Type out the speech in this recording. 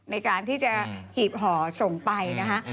ในการที่จะหีบห่อส่งไปนะคะ